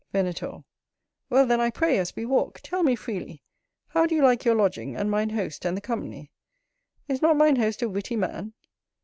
Venator. Well then, I pray, as we walk, tell me freely, how do you like your lodging, and mine host and the company? Is not mine host a witty man?